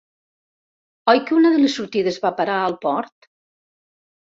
¿Oi que una de les sortides va a parar al port?